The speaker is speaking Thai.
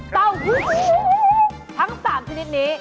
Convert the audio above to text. เต้าหู้ทั้ง๓ชนิดนี้